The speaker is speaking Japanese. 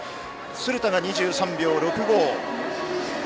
鶴田が２３秒６５。